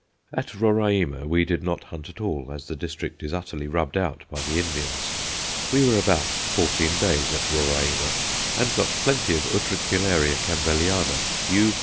At Roraima we did not hunt at all, as the district is utterly rubbed out by the Indians. We were about fourteen days at Roraima and got plenty of Utricularia Campbelliana, _U.